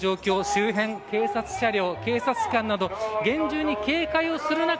周辺、警察車両、警察官など厳重に警戒する中